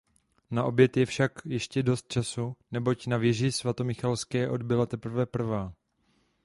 Na oběd je však ještě dost času, neboť na věži svatomichaelské odbila teprve prvá.